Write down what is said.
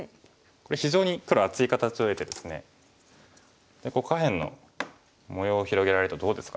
これ非常に黒厚い形を得てですね下辺の模様を広げられるとどうですかね。